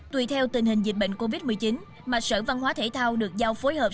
tùy theo tình hình dịch bệnh covid một mươi chín mạch sở văn hóa thể thao được giao phối hợp